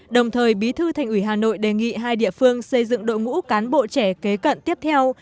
đồng thời bí thư thành ủy hà nội đề nghị hai địa phương xây dựng đội ngũ cán bộ trẻ kế cận tiếp theo